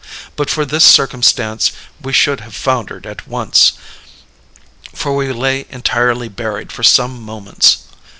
But for this circumstance we should have foundered at once; for we lay entirely buried for some moments.